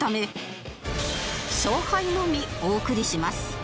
勝敗のみお送りします